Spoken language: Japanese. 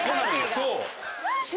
そう。